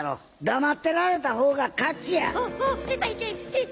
黙ってられた方が勝ちや。